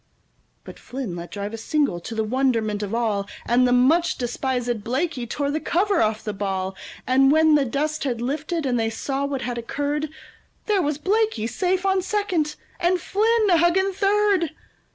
But Flynn let drive a single to the wonderment of all, And the much despisèd Blaikie tore the cover off the ball; And when the dust had lifted, and they saw what had occurred, There was Blaikie safe on second and Flynn a hugging third!